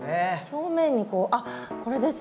表面にこうあっこれですね。